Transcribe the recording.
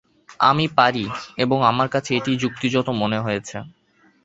আমি পারি, এবং আমার কাছে এটিই যুক্তিযুক্ত মনে হয়েছে।